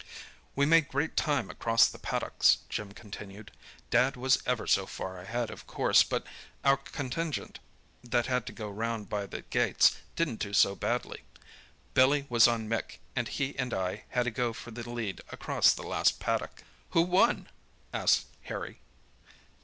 "We made great time across the paddocks," Jim continued. "Dad was ever so far ahead, of course, but our contingent, that had to go round by the gates, didn't do so badly. Billy was on Mick, and he and I had a go for the lead across the last paddock." "Who won?" asked Harry.